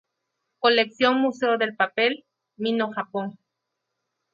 Colección Museo del papel, Mino, Japón.